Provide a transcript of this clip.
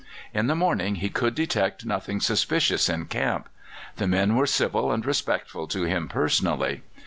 In the morning he could detect nothing suspicious in camp. The men were civil and respectful to him personally.